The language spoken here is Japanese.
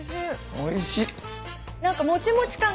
おいしっ。